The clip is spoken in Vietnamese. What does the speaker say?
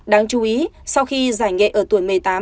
đáng chú ý sau khi giải nhẹ ở tuổi một mươi tám